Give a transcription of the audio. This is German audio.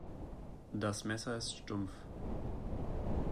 Das Messer ist stumpf.